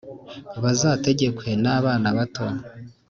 bazategekwe n’abana bato!